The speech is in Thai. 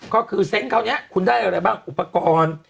ก็คือเซ้งข้าวเนี้ยคนได้ยังไงบ้างอุปกรณ์